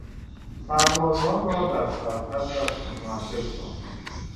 سربازان را در سرحدات متمرکز کردن